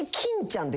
欽ちゃん。